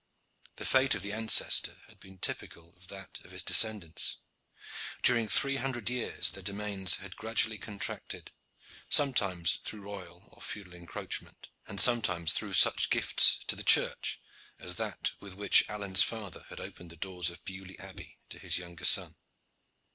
The fate of the ancestor had been typical of that of his descendants. During three hundred years their domains had gradually contracted, sometimes through royal or feudal encroachment, and sometimes through such gifts to the Church as that with which Alleyne's father had opened the doors of Beaulieu Abbey to his younger son.